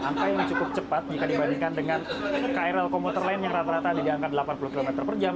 angka yang cukup cepat jika dibandingkan dengan krl komuter lain yang rata rata ada di angka delapan puluh km per jam